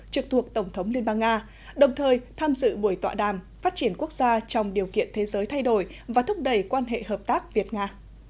trực thuộc tổng thống liên bang nga đồng thời tham dự buổi tọa đàm phát triển quốc gia trong điều kiện thế giới thay đổi và thúc đẩy quan hệ hợp tác việt nga